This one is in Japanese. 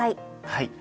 はい。